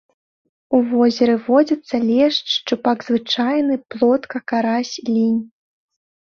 У возеры водзяцца лешч, шчупак звычайны, плотка, карась, лінь.